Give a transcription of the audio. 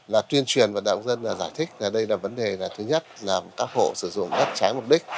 là tuyên truyền và đạo dân giải thích là đây là vấn đề thứ nhất là các hộ sử dụng đất cháy mục đích